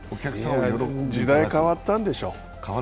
時代、変わったんでしょう。